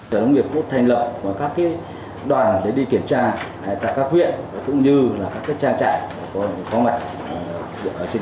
đồng nghiệp cũng thành lập các đoàn để đi kiểm tra tại các huyện